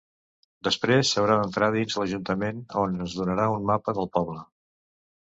Després s'haurà d'entrar dins l'Ajuntament on ens donaran un mapa del poble.